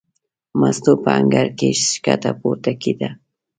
مستو په انګړ کې ښکته پورته کېده.